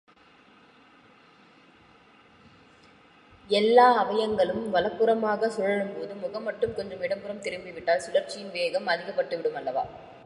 எல்லா அவயங்களும் வலப்புறமாகச் சுழலும்போது முகம் மட்டும் கொஞ்சம் இடப்புறம் திரும்பிவிட்டால் சுழற்சியின் வேகம் அதிகப்பட்டுவிடுமல்லவா?